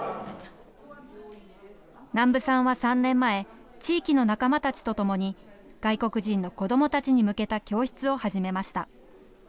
南部さんは３年前、地域の仲間たちと共に、外国人の子どもたちに向けた教室を始めました。